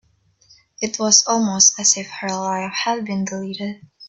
It was almost as if her life had been deleted.